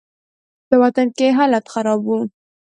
په وطن کښې حالات خراب وو.